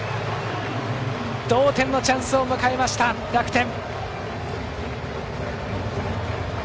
同点のチャンスを迎えました楽天。